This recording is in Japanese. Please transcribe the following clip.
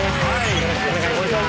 よろしくお願いします